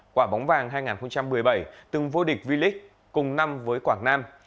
quả bóng vàng hai nghìn một mươi bảy từng vô địch v leage cùng năm với quảng nam